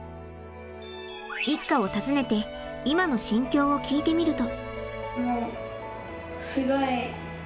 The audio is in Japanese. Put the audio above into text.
一家を訪ねて今の心境を聞いてみると。